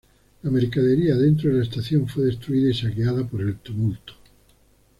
La mercadería dentro de la estación fue destruida y saqueada por el tumulto.